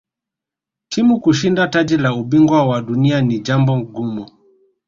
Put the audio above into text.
timu kushinda taji la ubingwa wa dunia ni jambo gumu